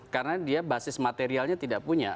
karena dia basis materialnya tidak punya